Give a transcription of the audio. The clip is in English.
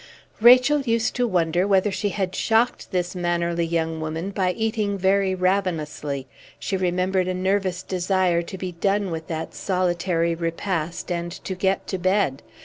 Rachel used to wonder whether she had shocked this mannerly young woman by eating very ravenously; she remembered a nervous desire to be done with that solitary repast, and to get to bed.